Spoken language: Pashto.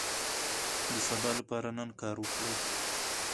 د سبا لپاره نن کار وکړئ.